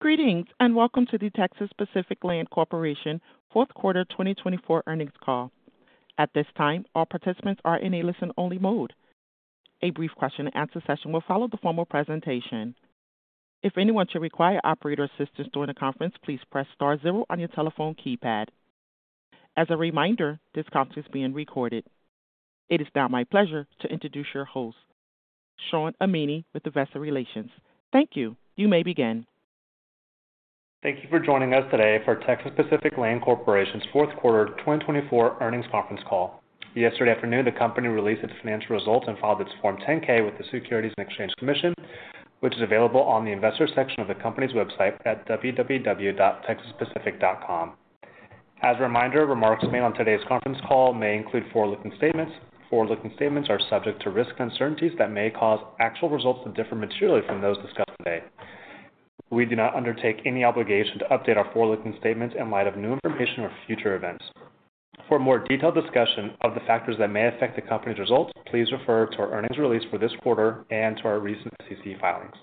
Greetings and welcome to the Texas Pacific Land Corporation Q4 2024 earnings call. At this time, all participants are in a listen-only mode. A brief question-and-answer session will follow the formal presentation. If anyone should require operator assistance during the conference, please press star zero on your telephone keypad. As a reminder, this conference is being recorded. It is now my pleasure to introduce your host, Shawn Amini, with Investor Relations. Thank you. You may begin. Thank you for joining us today for Texas Pacific Land Corporation's Q4 2024 earnings conference call. Yesterday afternoon, the company released its financial results and filed its Form 10-K with the Securities and Exchange Commission, which is available on the investor section of the company's website at www.texaspacific.com. As a reminder, remarks made on today's conference call may include forward-looking statements. Forward-looking statements are subject to risks and uncertainties that may cause actual results to differ materially from those discussed today. We do not undertake any obligation to update our forward-looking statements in light of new information or future events. For a more detailed discussion of the factors that may affect the company's results, please refer to our earnings release for this quarter and to our recent SEC filings.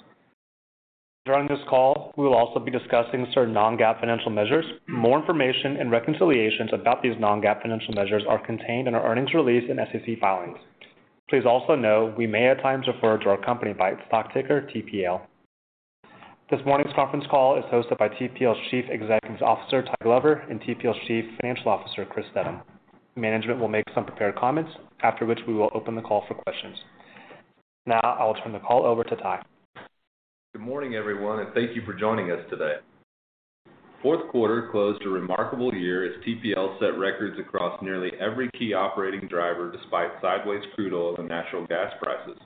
During this call, we will also be discussing certain non-GAAP financial measures. More information and reconciliations about these non-GAAP financial measures are contained in our earnings release and SEC filings. Please also know we may at times refer to our company by its stock ticker, TPL. This morning's conference call is hosted by TPL's Chief Executive Officer, Ty Glover, and TPL's Chief Financial Officer, Chris Steddum. Management will make some prepared comments, after which we will open the call for questions. Now, I will turn the call over to Ty. Good morning, everyone, and thank you for joining us today. Q4 closed a remarkable year as TPL set records across nearly every key operating driver despite sideways crude oil and natural gas prices.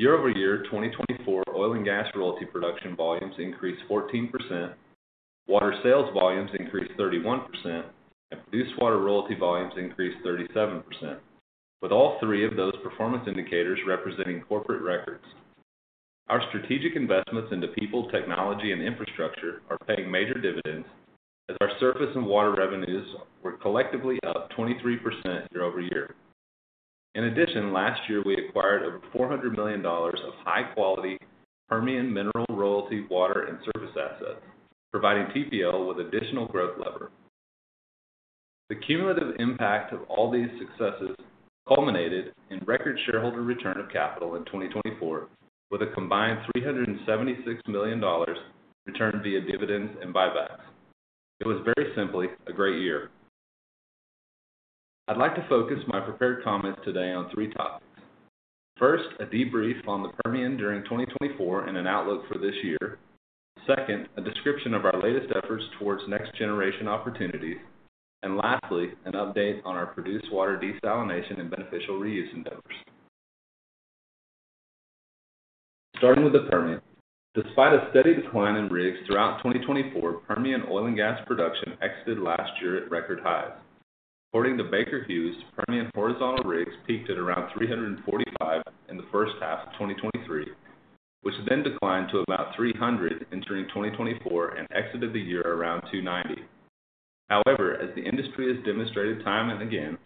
Year-over-year, 2024 oil and gas royalty production volumes increased 14%, water sales volumes increased 31%, and produced water royalty volumes increased 37%, with all three of those performance indicators representing corporate records. Our strategic investments into people, technology, and infrastructure are paying major dividends as our surface and water revenues were collectively up 23% year-over-year. In addition, last year we acquired over $400 million of high-quality Permian mineral royalty water and surface assets, providing TPL with additional growth lever. The cumulative impact of all these successes culminated in record shareholder return of capital in 2024, with a combined $376 million returned via dividends and buybacks. It was very simply a great year. I'd like to focus my prepared comments today on three topics. First, a debrief on the Permian during 2024 and an outlook for this year. Second, a description of our latest efforts towards next-generation opportunities. And lastly, an update on our produced water desalination and beneficial reuse endeavors. Starting with the Permian, Despite a steady decline in rigs throughout 2024, Permian oil and gas production exited last year at record highs. According to Baker Hughes, Permian horizontal rigs peaked at around 345 in the H1 of 2023, which then declined to about 300 entering 2024 and exited the year around 290. However, as the industry has demonstrated time and again,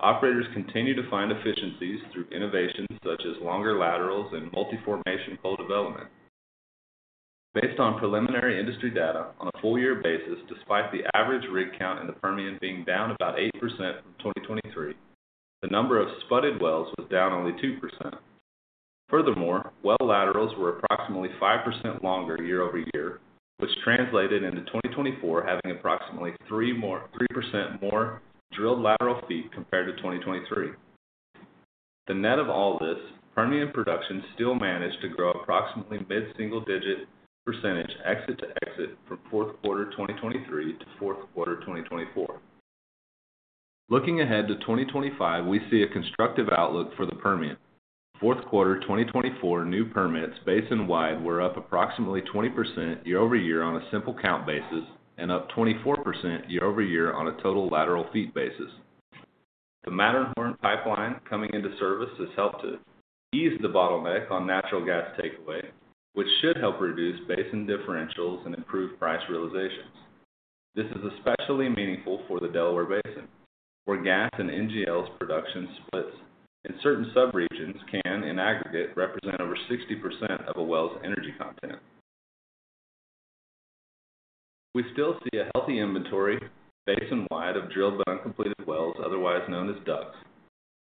operators continue to find efficiencies through innovations such as longer laterals and multi-formation co-development. Based on preliminary industry data, on a full-year basis, despite the average rig count in the Permian being down about 8% from 2023, the number of spudded wells was down only 2%. Furthermore, well laterals were approximately 5% longer year-over-year, which translated into 2024 having approximately 3% more drilled lateral feet compared to 2023. The net of all this, Permian production still managed to grow approximately mid-single-digit % exit to exit from Q4 2023 to Q4 2024. Looking ahead to 2025, we see a constructive outlook for the Permian. Q4 2024 new permits basin-wide were up approximately 20% year-over-year on a simple count basis and up 24% year-over-year on a total lateral feet basis. The Matterhorn pipeline coming into service has helped to ease the bottleneck on natural gas takeaway, which should help reduce basin differentials and improve price realizations. This is especially meaningful for the Delaware Basin, where gas and NGLs production splits in certain subregions can, in aggregate, represent over 60% of a well's energy content. We still see a healthy inventory basin-wide of drilled but uncompleted wells, otherwise known as DUCs,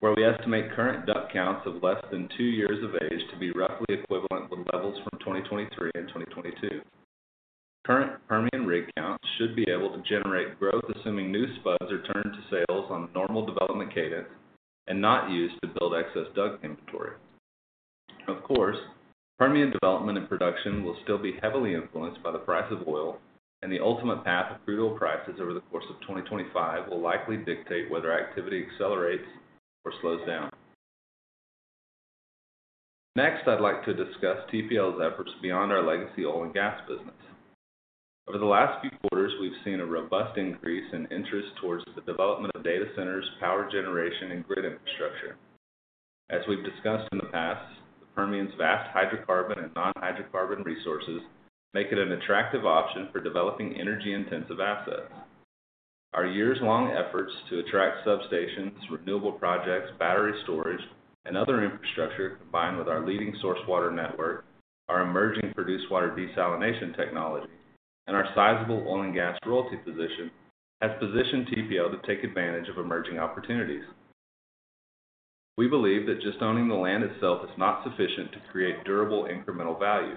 where we estimate current DUC counts of less than two years of age to be roughly equivalent with levels from 2023 and 2022. Current Permian rig counts should be able to generate growth assuming new spuds are turned to sales on a normal development cadence and not used to build excess DUC inventory. Of course, Permian development and production will still be heavily influenced by the price of oil, and the ultimate path of crude oil prices over the course of 2025 will likely dictate whether activity accelerates or slows down. Next, I'd like to discuss TPL's efforts beyond our legacy oil and gas business. Over the last few quarters, we've seen a robust increase in interest towards the development of data centers, power generation, and grid infrastructure. As we've discussed in the past, the Permian's vast hydrocarbon and non-hydrocarbon resources make it an attractive option for developing energy-intensive assets. Our years-long efforts to attract substations, renewable projects, battery storage, and other infrastructure combined with our leading source water network, our emerging produced water desalination technology, and our sizable oil and gas royalty position have positioned TPL to take advantage of emerging opportunities. We believe that just owning the land itself is not sufficient to create durable incremental value.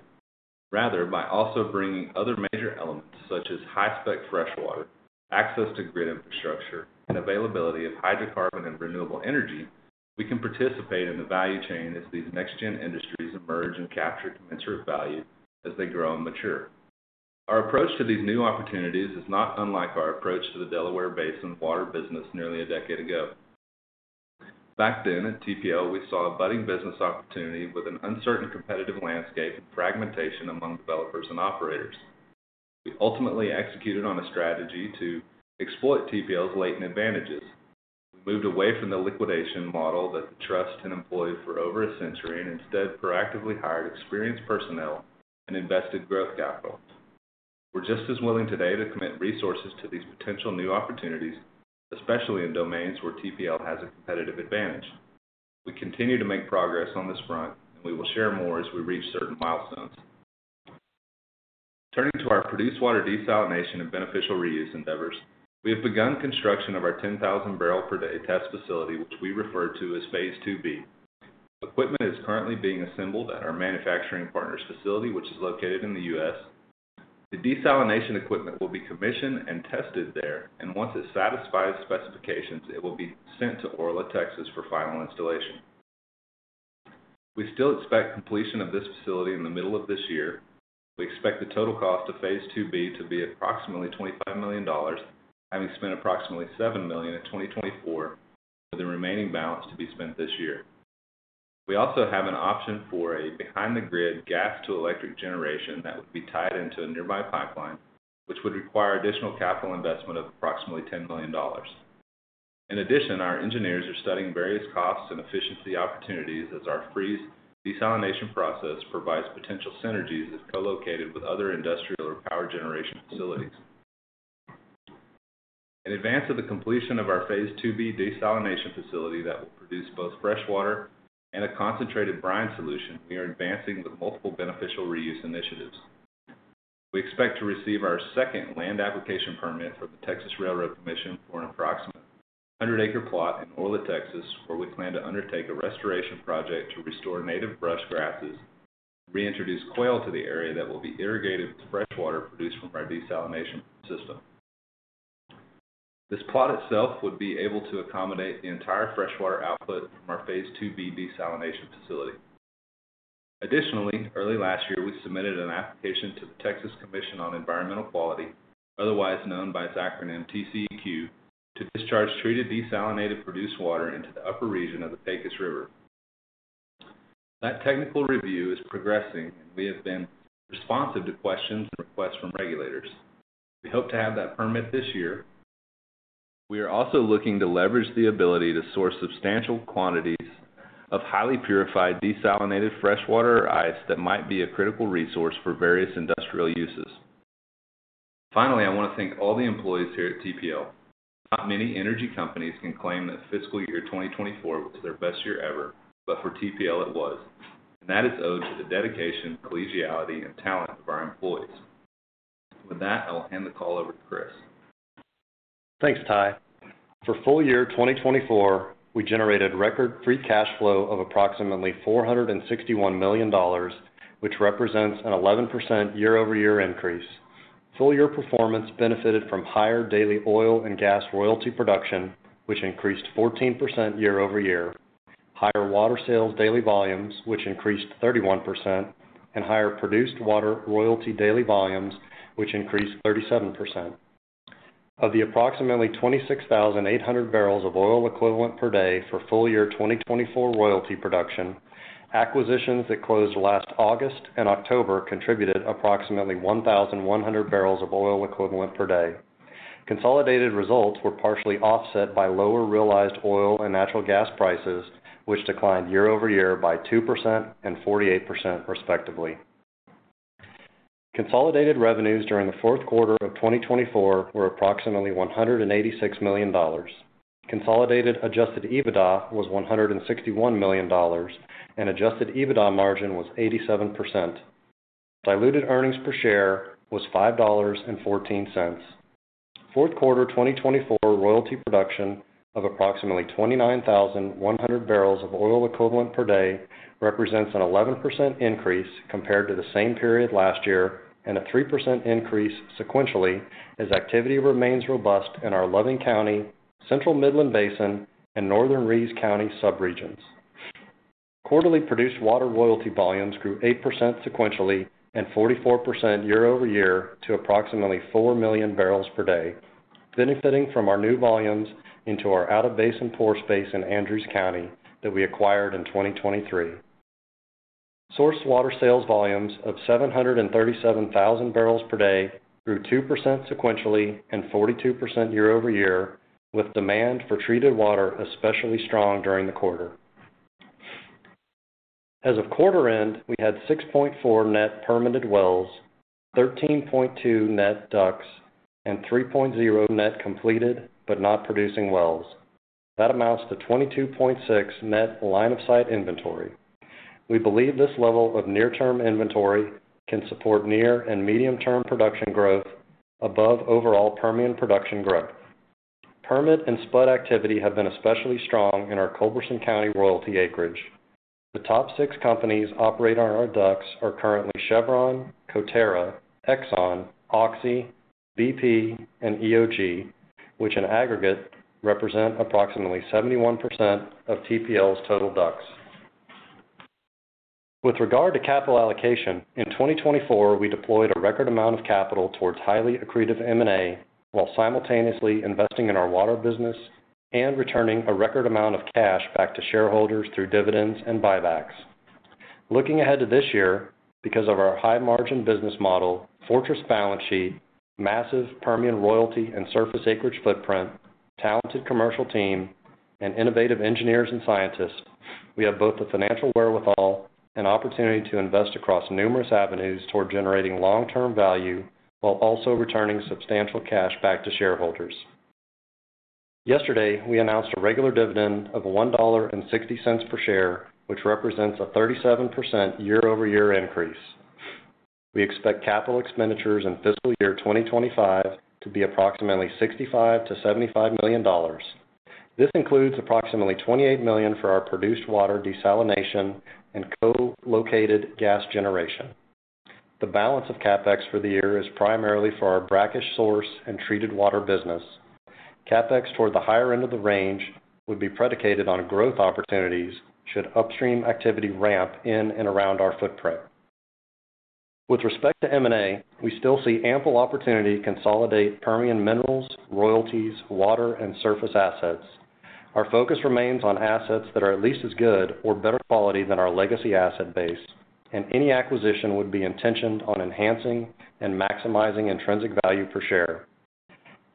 Rather, by also bringing other major elements such as high-spec freshwater, access to grid infrastructure, and availability of hydrocarbon and renewable energy, we can participate in the value chain as these next-gen industries emerge and capture commensurate value as they grow and mature. Our approach to these new opportunities is not unlike our approach to the Delaware Basin water business nearly a decade ago. Back then at TPL, we saw a budding business opportunity with an uncertain competitive landscape and fragmentation among developers and operators. We ultimately executed on a strategy to exploit TPL's latent advantages. We moved away from the liquidation model that the trust had employed for over a century and instead proactively hired experienced personnel and invested growth capital. We're just as willing today to commit resources to these potential new opportunities, especially in domains where TPL has a competitive advantage. We continue to make progress on this front, and we will share more as we reach certain milestones. Turning to our produced water desalination and beneficial reuse endeavors, we have begun construction of our 10,000-barrel-per-day test facility, which we refer to as Phase II B. Equipment is currently being assembled at our manufacturing partner's facility, which is located in the U.S. The desalination equipment will be commissioned and tested there, and once it satisfies specifications, it will be sent to Orla, Texas, for final installation. We still expect completion of this facility in the middle of this year. We expect the total cost of Phase II B to be approximately $25 million, having spent approximately $7 million in 2024, with the remaining balance to be spent this year. We also have an option for a behind-the-meter gas-to-electric generation that would be tied into a nearby pipeline, which would require additional capital investment of approximately $10 million. In addition, our engineers are studying various costs and efficiency opportunities as our freeze desalination process provides potential synergies if co-located with other industrial or power generation facilities. In advance of the completion of our Phase II B desalination facility that will produce both freshwater and a concentrated brine solution, we are advancing with multiple beneficial reuse initiatives. We expect to receive our second land application permit from the Railroad Commission of Texas for an approximate 100-acre plot in Orla, Texas, where we plan to undertake a restoration project to restore native brush grasses and reintroduce quail to the area that will be irrigated with freshwater produced from our desalination system. This plot itself would be able to accommodate the entire freshwater output from our Phase II B desalination facility. Additionally, early last year, we submitted an application to the Texas Commission on Environmental Quality, otherwise known by its acronym, TCEQ, to discharge treated desalinated produced water into the upper region of the Pecos River. That technical review is progressing, and we have been responsive to questions and requests from regulators. We hope to have that permit this year. We are also looking to leverage the ability to source substantial quantities of highly purified desalinated freshwater or ice that might be a critical resource for various industrial uses. Finally, I want to thank all the employees here at TPL. Not many energy companies can claim that fiscal year 2024 was their best year ever, but for TPL, it was. And that is owed to the dedication, collegiality, and talent of our employees. With that, I will hand the call over to Chris. Thanks, Ty. For full year 2024, we generated record free cash flow of approximately $461 million, which represents an 11% year-over-year increase. Full year performance benefited from higher daily oil and gas royalty production, which increased 14% year-over-year, higher water sales daily volumes, which increased 31%, and higher produced water royalty daily volumes, which increased 37%. Of the approximately 26,800 barrels of oil equivalent per day for full year 2024 royalty production, acquisitions that closed last August and October contributed approximately 1,100 barrels of oil equivalent per day. Consolidated results were partially offset by lower realized oil and natural gas prices, which declined year-over-year by 2% and 48%, respectively. Consolidated revenues during the Q4 of 2024 were approximately $186 million. Consolidated Adjusted EBITDA was $161 million, and Adjusted EBITDA margin was 87%. Diluted earnings per share was $5.14. Q4 2024 royalty production of approximately 29,100 barrels of oil equivalent per day represents an 11% increase compared to the same period last year and a 3% increase sequentially as activity remains robust in our Loving County, Central Midland Basin, and Northern Reeves County subregions. Quarterly produced water royalty volumes grew 8% sequentially and 44% year-over-year to approximately 4 million barrels per day, benefiting from our new volumes into our out-of-basin pore space in Andrews County that we acquired in 2023. Source water sales volumes of 737,000 barrels per day grew 2% sequentially and 42% year-over-year, with demand for treated water especially strong during the quarter. As of quarter end, we had 6.4 net permitted wells, 13.2 net DUCs, and 3.0 net completed but not producing wells. That amounts to 22.6 net line-of-sight inventory. We believe this level of near-term inventory can support near and medium-term production growth above overall Permian production growth. Permit and spud activity have been especially strong in our Culberson County royalty acreage. The top six companies operating on our DUCs are currently Chevron, Coterra, Exxon, Oxy, BP, and EOG, which in aggregate represent approximately 71% of TPL's total DUCs. With regard to capital allocation, in 2024, we deployed a record amount of capital towards highly accretive M&A while simultaneously investing in our water business and returning a record amount of cash back to shareholders through dividends and buybacks. Looking ahead to this year, because of our high-margin business model, fortress balance sheet, massive Permian royalty and surface acreage footprint, talented commercial team, and innovative engineers and scientists, we have both the financial wherewithal and opportunity to invest across numerous avenues toward generating long-term value while also returning substantial cash back to shareholders. Yesterday, we announced a regular dividend of $1.60 per share, which represents a 37% year-over-year increase. We expect capital expenditures in fiscal year 2025 to be approximately $65-$75 million. This includes approximately $28 million for our produced water desalination and co-located gas generation. The balance of CapEx for the year is primarily for our brackish source and treated water business. CapEx toward the higher end of the range would be predicated on growth opportunities should upstream activity ramp in and around our footprint. With respect to M&A, we still see ample opportunity to consolidate Permian minerals, royalties, water, and surface assets. Our focus remains on assets that are at least as good or better quality than our legacy asset base, and any acquisition would be intentioned on enhancing and maximizing intrinsic value per share.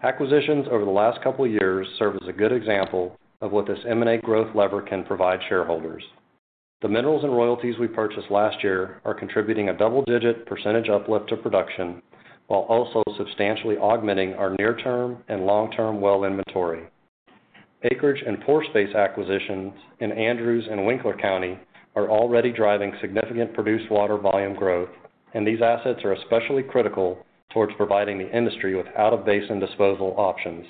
Acquisitions over the last couple of years serve as a good example of what this M&A growth lever can provide shareholders. The minerals and royalties we purchased last year are contributing a double-digit % uplift to production while also substantially augmenting our near-term and long-term well inventory. Acreage and pore space acquisitions in Andrews County and Winkler County are already driving significant produced water volume growth, and these assets are especially critical towards providing the industry with out-of-basin disposal options.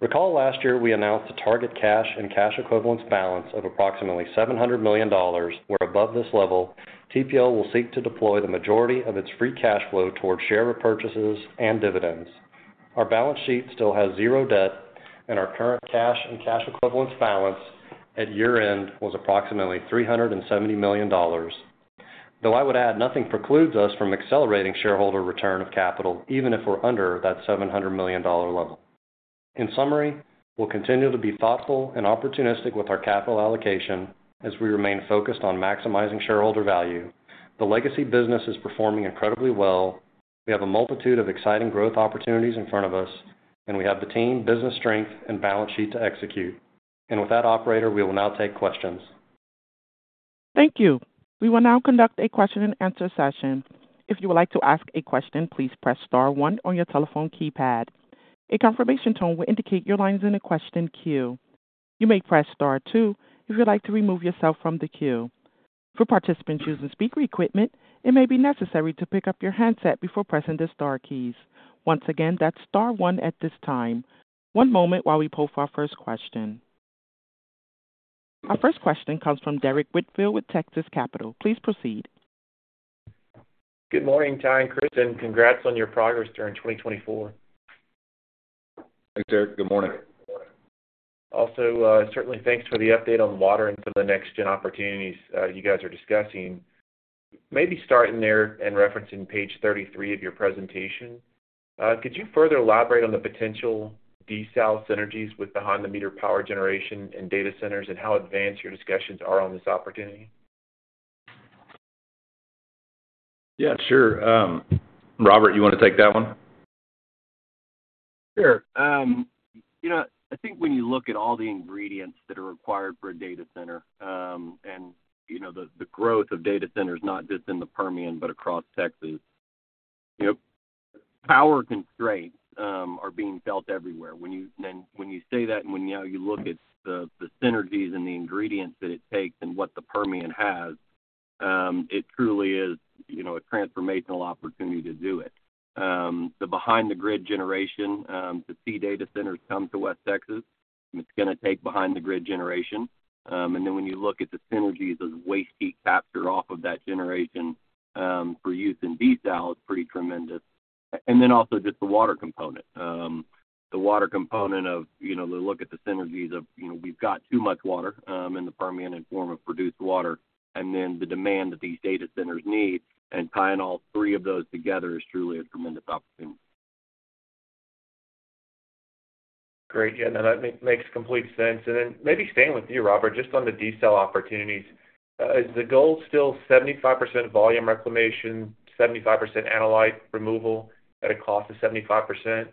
Recall last year we announced a target cash and cash equivalents balance of approximately $700 million, where above this level, TPL will seek to deploy the majority of its free cash flow towards share repurchases and dividends. Our balance sheet still has zero debt, and our current cash and cash equivalents balance at year-end was approximately $370 million. Though I would add, nothing precludes us from accelerating shareholder return of capital, even if we're under that $700 million level. In summary, we'll continue to be thoughtful and opportunistic with our capital allocation as we remain focused on maximizing shareholder value. The legacy business is performing incredibly well. We have a multitude of exciting growth opportunities in front of us, and we have the team, business strength, and balance sheet to execute. And with that, operator, we will now take questions. Thank you. We will now conduct a question-and-answer session. If you would like to ask a question, please press Star 1 on your telephone keypad. A confirmation tone will indicate your line's in a question queue. You may press Star 2 if you'd like to remove yourself from the queue. For participants using speaker equipment, it may be necessary to pick up your handset before pressing the Star keys. Once again, that's Star 1 at this time. One moment while we post our first question. Our first question comes from Derrick Whitfield with Texas Capital. Please proceed. Good morning, Ty, and Chris. And congrats on your progress during 2024. Thanks, Derrick. Good morning. Also, certainly thanks for the update on water and some of the next-gen opportunities you guys are discussing. Maybe starting there and referencing page 33 of your presentation, could you further elaborate on the potential desal synergies with the behind-the-meter power generation and data centers and how advanced your discussions are on this opportunity? Yeah, sure. Robert, you want to take that one? Sure. I think when you look at all the ingredients that are required for a data center and the growth of data centers, not just in the Permian but across Texas, power constraints are being felt everywhere, and when you say that and when you look at the synergies and the ingredients that it takes and what the Permian has, it truly is a transformational opportunity to do it. The behind-the-meter generation, to see data centers come to West Texas, it's going to take behind-the-meter generation, and then when you look at the synergies of waste heat captured off of that generation for use in desal is pretty tremendous. And then also just the water component. The water component. We've got too much water in the Permian in the form of produced water, and then the demand that these data centers need. Tying all three of those together is truly a tremendous opportunity. Great. Yeah, no, that makes complete sense. Then maybe staying with you, Robert, just on the desal opportunities, is the goal still 75% volume reclamation, 75% analyte removal at a cost of 75%?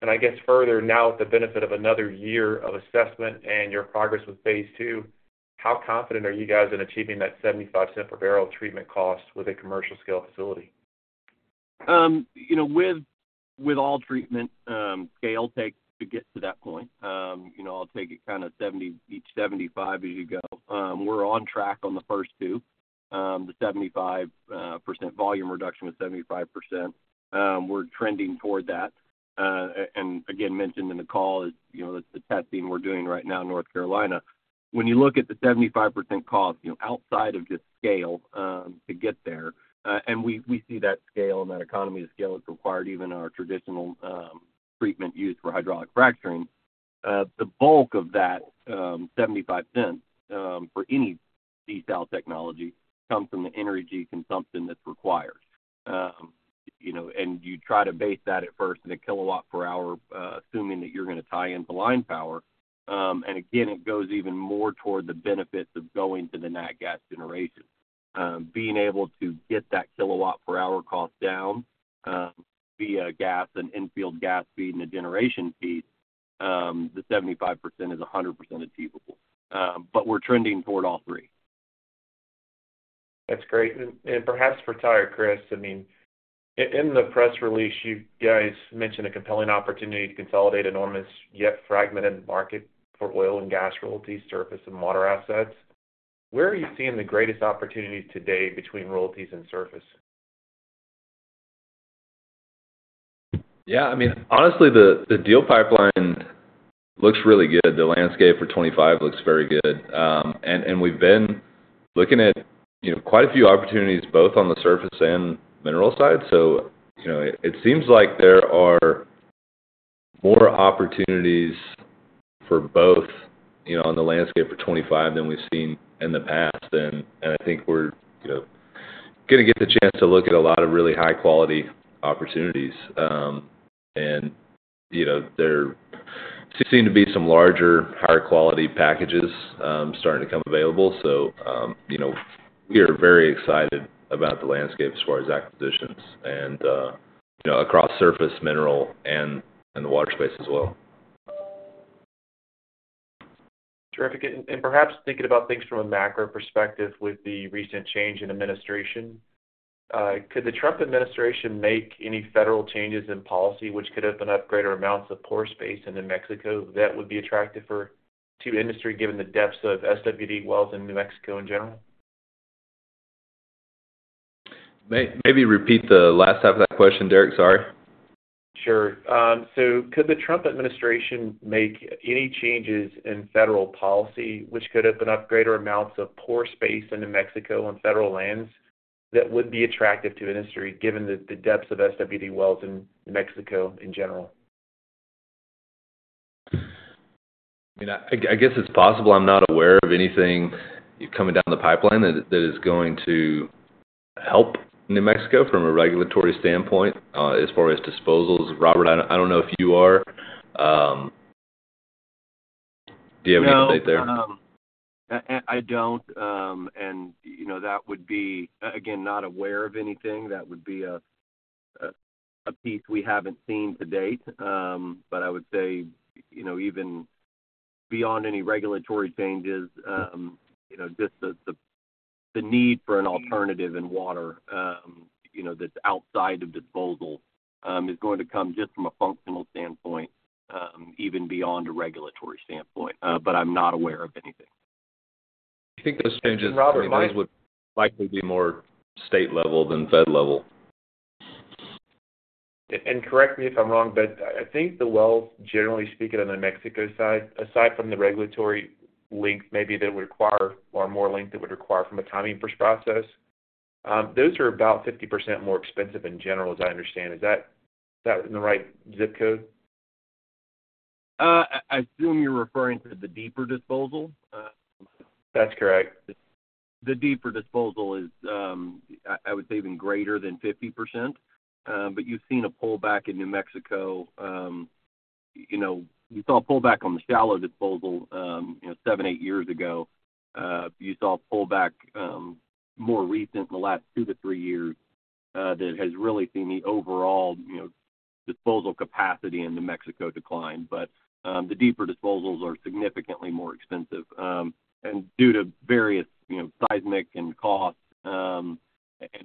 And I guess further now, with the benefit of another year of assessment and your progress with phase II, how confident are you guys in achieving that $0.75 per barrel treatment cost with a commercial-scale facility? With all treatment, scale takes to get to that point. I'll take it kind of 70, each 75 as you go. We're on track on the first two, the 75% volume reduction with 75%. We're trending toward that. Again, mentioned in the call is the testing we're doing right now in North Carolina. When you look at the 75% cost outside of just scale to get there, and we see that scale and that economy of scale is required even in our traditional treatment used for hydraulic fracturing, the bulk of that $0.75 for any desal technology comes from the energy consumption that's required. And you try to base that at first at a kilowatt per hour, assuming that you're going to tie into line power. Again, it goes even more toward the benefits of going to the natural gas generation. Being able to get that kilowatt per hour cost down via gas and infield gas feed and the generation feed, the 75% is 100% achievable, but we're trending toward all three. That's great. And perhaps for Ty or Chris, I mean, in the press release, you guys mentioned a compelling opportunity to consolidate enormous yet fragmented market for oil and gas royalties, surface, and water assets. Where are you seeing the greatest opportunities today between royalties and surface? Yeah. I mean, honestly, the deal pipeline looks really good. The landscape for 2025 looks very good. And we've been looking at quite a few opportunities both on the surface and mineral side. So it seems like there are more opportunities for both on the landscape for 2025 than we've seen in the past. And I think we're going to get the chance to look at a lot of really high-quality opportunities. And there seem to be some larger, higher-quality packages starting to come available. So we are very excited about the landscape as far as acquisitions and across surface, mineral, and the water space as well. Terrific. And perhaps thinking about things from a macro perspective with the recent change in administration, could the Trump administration make any federal changes in policy which could open up greater amounts of pore space in New Mexico that would be attractive for two industries given the depths of SWD wells in New Mexico in general? Maybe repeat the last half of that question, Derrick. Sorry. Sure. So could the Trump administration make any changes in federal policy which could open up greater amounts of pore space in New Mexico on federal lands that would be attractive to industry given the depths of SWD wells in New Mexico in general? I mean, I guess it's possible. I'm not aware of anything coming down the pipeline that is going to help New Mexico from a regulatory standpoint as far as disposals. Robert, I don't know if you are. Do you have any state there? I don't. And that would be, again, I'm not aware of anything. That would be a piece we haven't seen to date. But I would say even beyond any regulatory changes, just the need for an alternative in water that's outside of disposal is going to come just from a functional standpoint, even beyond a regulatory standpoint. But I'm not aware of anything. I think those changes would likely be more state level than fed level. And correct me if I'm wrong, but I think the wells, generally speaking, on the Mexico side, aside from the regulatory link maybe that would require or more link that would require from a timing process, those are about 50% more expensive in general, as I understand. Is that in the right zip code? I assume you're referring to the deeper disposal? That's correct. The deeper disposal is, I would say, even greater than 50%. But you've seen a pullback in New Mexico. You saw a pullback on the shallow disposal seven, eight years ago. You saw a pullback more recent in the last two to three years that has really seen the overall disposal capacity in New Mexico decline. But the deeper disposals are significantly more expensive. And due to various seismic and costs and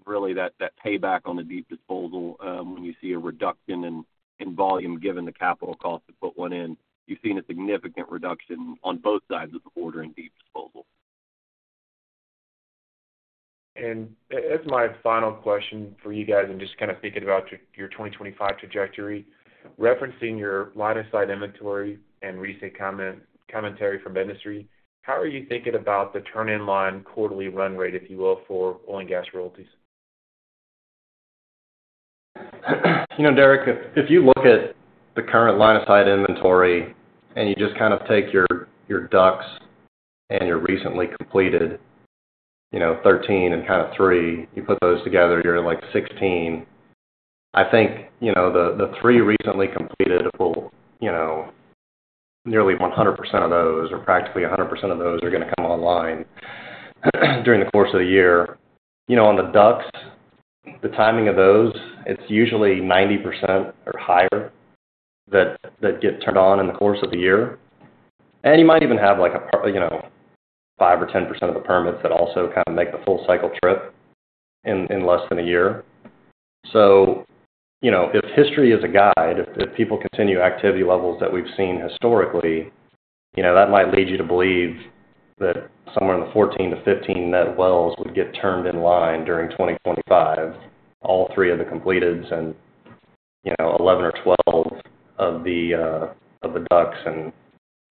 really that payback on the deep disposal, when you see a reduction in volume given the capital cost to put one in, you've seen a significant reduction on both sides of the border in deep disposal. As my final question for you guys, and just kind of thinking about your 2025 trajectory, referencing your line-of-sight inventory and recent commentary from industry, how are you thinking about the turn-in-line quarterly run rate, if you will, for oil and gas royalties? Derrick, if you look at the current line-of-sight inventory and you just kind of take your DUCs and your recently completed 13 and kind of three, you put those together, you're at like 16. I think the three recently completed, nearly 100% of those or practically 100% of those are going to come online during the course of the year. On the DUCs, the timing of those, it's usually 90% or higher that get turned on in the course of the year, and you might even have like 5% or 10% of the permits that also kind of make the full cycle trip in less than a year. So if history is a guide, if people continue activity levels that we've seen historically, that might lead you to believe that somewhere in the 14-15 net wells would get turned in line during 2025, all three of the completed and 11 or 12 of the DUCs and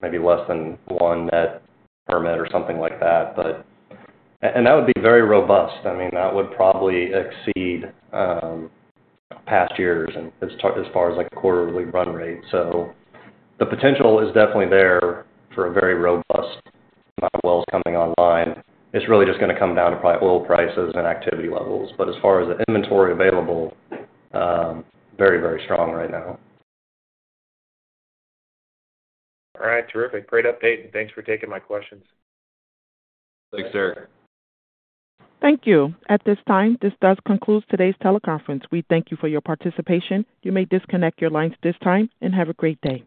maybe less than one net permit or something like that. And that would be very robust. I mean, that would probably exceed past years as far as a quarterly run rate. So the potential is definitely there for a very robust amount of wells coming online. It's really just going to come down to probably oil prices and activity levels. But as far as the inventory available, very, very strong right now. All right. Terrific. Great update, and thanks for taking my questions. Thanks, Derrick. Thank you. At this time, this does conclude today's teleconference. We thank you for your participation. You may disconnect your lines this time and have a great day.